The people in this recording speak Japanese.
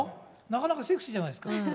なかなかセクシーじゃないですか。